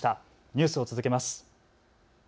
ニュースを続けます。